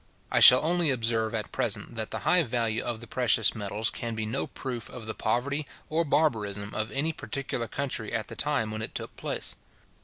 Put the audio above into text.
I shall only observe at present, that the high value of the precious metals can be no proof of the poverty or barbarism of any particular country at the time when it took place.